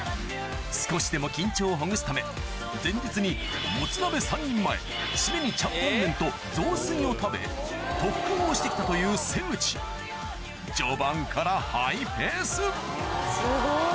少しでも緊張をほぐすため前日にもつ鍋３人前締めにちゃんぽん麺と雑炊を食べ特訓をして来たという瀬口序盤からハイペースすごい。